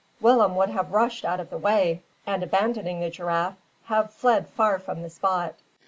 Willem would have rushed out of the way, and, abandoning the giraffe, have fled far from the spot.